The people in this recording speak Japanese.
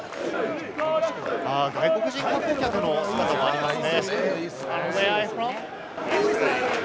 外国人観光客の姿もありますね。